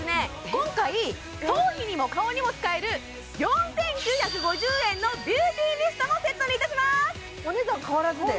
今回頭皮にも顔にも使える４９５０円のビューティーミストもセットにいたしますお値段変わらずで？